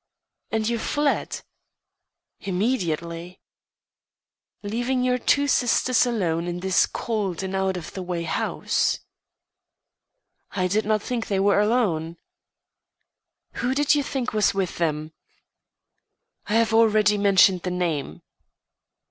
"And you fled?" "Immediately." "Leaving your two sisters alone in this cold and out of the way house?" "I did not think they were alone." "Who did you think was with them?" "I have already mentioned the name."